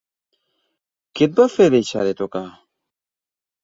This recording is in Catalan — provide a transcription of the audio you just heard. Què et va fer deixar de tocar?